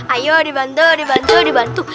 ayo dibantu dibantu dibantu